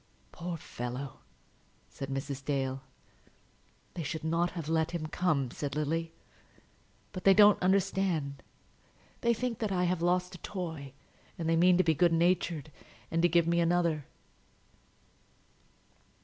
"Poor fellow!" said Mrs. Dale. "They should not have let him come," said Lily. "But they don't understand. They think that I have lost a toy, and they mean to be good natured, and to give me another."